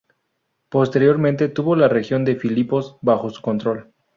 Posteriormente tuvo la región de Filipos bajo su control.